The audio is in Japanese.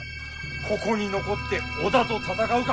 ここに残って織田と戦うか